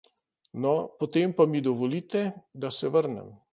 No, potem mi dovolite, da se vrnem.